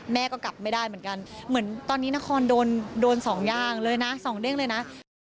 แม่ก็กลับไม่ได้เหมือนกันเหมือนตอนนี้นครโดนสองอย่างเลยนะสองเด้งเลยนะ